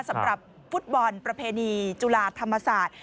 สำหรับฟุตบอลประเพณีจุฬาธรรมศาสตร์